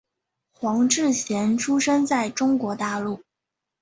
黄志贤出生在中国大陆。